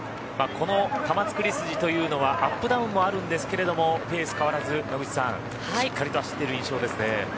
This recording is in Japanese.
この玉造筋というのはアップダウンもあるんですけどもペース変わらず、野口さんしっかりと走っている印象ですね。